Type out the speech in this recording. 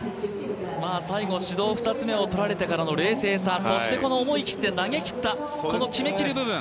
最後、指導２つ目をとられてからの冷静さ、思い切って投げ切ったこの決めきる部分。